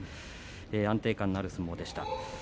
安定感のある相撲でした。